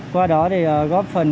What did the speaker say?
qua đó để góp phần